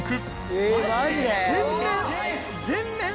全面！？